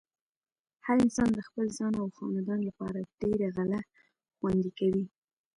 هر انسان د خپل ځان او خاندان لپاره ډېره غله خوندې کوي۔